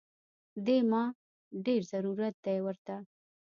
دې ما ډېر ضرورت دی ورته